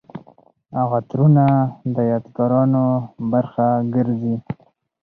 عطرونه د یادګارونو برخه ګرځي.